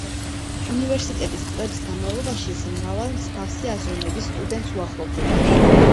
უნივერსიტეტის წლების განმავლობაში ის მრავალ მსგავსი აზროვნების სტუდენტს უახლოვდება.